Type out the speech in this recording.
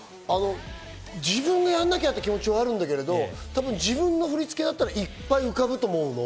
自分がやらなきゃって気持ちはあるんだけど、自分の振り付けだったら、いっぱい浮かぶと思うの。